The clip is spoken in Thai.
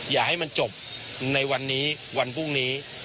อย่าให้มันจบในวันนี้วันพรุ่งนี้